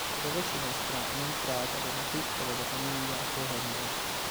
Il rovescio mostra l'entrata della cripta della famiglia Hohenberg.